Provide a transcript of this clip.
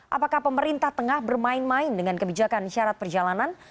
apakah pemerintah tengah bermain main dengan kebijakan syarat perjalanan